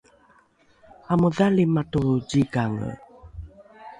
amodhali matolro zikange